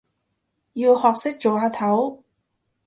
要學識做阿頭